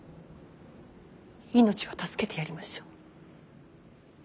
命は助けてやりましょう。